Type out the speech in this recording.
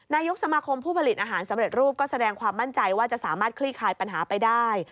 นายกสมาคมผู้ผลิตอาหารสำเร็จรูปก็แสดงความมั่นใจว่าจะสามารถคลี่คลายปัญหาไปได้